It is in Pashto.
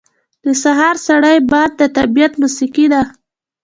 • د سهار سړی باد د طبیعت موسیقي ده.